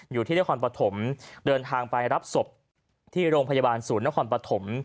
อยู่ที่นครปฐมเดินทางไปรับศพที่โรงพยาบาลศูนย์นครปฐม